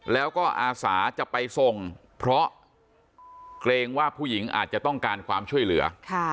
แล้วก็อาสาจะไปส่งเพราะเกรงว่าผู้หญิงอาจจะต้องการความช่วยเหลือ